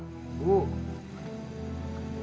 yang tidak kamu kenal